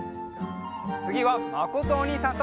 つぎはまことおにいさんと！